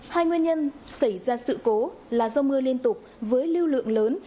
hai nguyên nhân xảy ra sự cố là do mưa liên tục với lưu lượng lớn